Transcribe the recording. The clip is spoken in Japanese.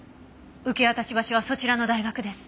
受け渡し場所はそちらの大学です。